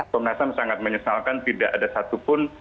komnas ham sangat menyesalkan tidak ada satupun